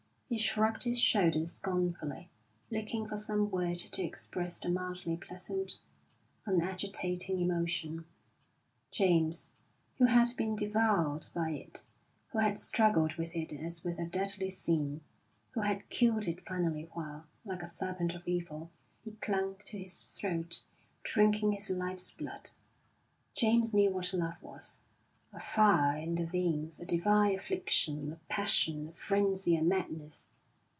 He shrugged his shoulders scornfully, looking for some word to express the mildly pleasant, unagitating emotion. James, who had been devoured by it, who had struggled with it as with a deadly sin, who had killed it finally while, like a serpent of evil, it clung to his throat, drinking his life's blood, James knew what love was a fire in the veins, a divine affliction, a passion, a frenzy, a madness.